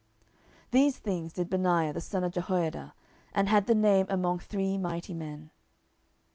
10:023:022 These things did Benaiah the son of Jehoiada, and had the name among three mighty men.